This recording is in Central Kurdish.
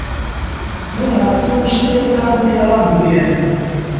من هاتووم شتێکتان پێ ڕابگەیەنم: